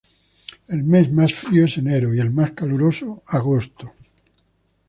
El mes más frío es enero y el más caluroso agosto.